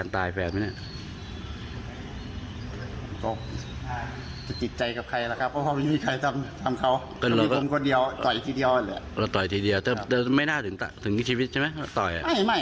ต่อยจะดีเธอไม่น่าถึงถึงชีวิตไหมต่อย